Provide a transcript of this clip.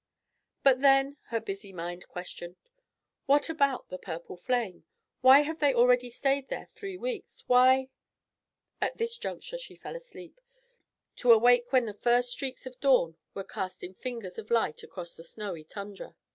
"But then," her busy mind questioned, "what about the purple flame? Why have they already stayed there three weeks? Why—" At this juncture she fell asleep, to awake when the first streaks of dawn were casting fingers of light across the snowy tundra.